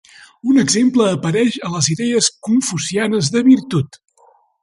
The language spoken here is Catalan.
Un exemple apareix a les idees confucianes de virtut.